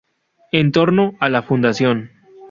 En torno a la Fundación".